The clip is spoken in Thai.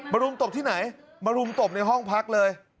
รุมตบที่ไหนมารุมตบในห้องพักเลย